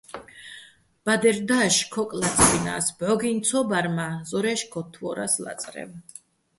ბადერ დაშ ქოკ ლაწბინა́ს, ბჵოგინო̆ ცო ბარ მა́ ზორა́ჲში̆ ქოთთვო́რასო̆ ლაწრევ.